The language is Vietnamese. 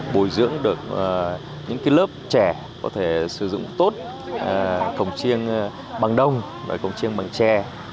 bồi dưỡng được những lớp trẻ có thể sử dụng tốt cổng chiêng bằng đông và cổng chiêng bằng tre